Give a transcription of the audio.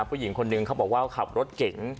ผู้หญิงคนนึงเขาบอกว่าขับรถเก่ง